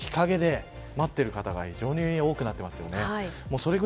信号待ちは日陰で待っている方が非常に多くなっていますね。